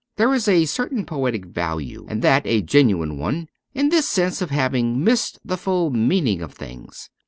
There is a certain poetic value, and that a genuine one, in this sense of having missed the full meaning of things.